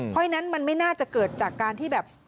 เพราะฉะนั้นมันไม่น่าจะเกิดจากการที่แบบ